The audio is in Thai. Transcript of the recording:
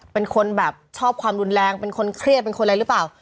เป็นคนแบบชอบความรุนแรงเป็นคนเครียดเป็นคนอะไรหรือเปล่า